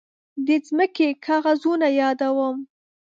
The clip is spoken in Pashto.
د ځمکې کاغذونه يادوم.